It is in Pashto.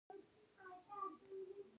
د پسه د کلي غوښه میلمه ته ایښودل کیږي.